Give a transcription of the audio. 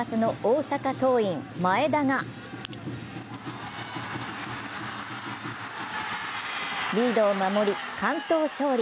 投げては先発の大阪桐蔭・前田がリードを守り完投勝利。